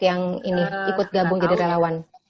yang ini ikut gabung jadi relawan